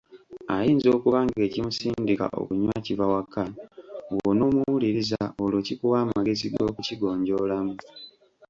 Ayinza okuba ng’ekimusindika okunywa kiva waka, bw’onoomuwuliriza olwo kikuwa amagezi g’okukigonjoolamu.